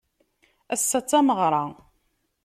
Ass-a d tameɣra.